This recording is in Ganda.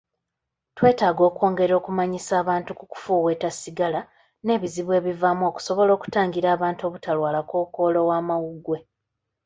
twetaaga okwongera okumanyisa abantu ku kufuweeta sigala n'ebizibu ebivaamu okusobola okutangira abantu obutalwala kkookolo w'amawugwe.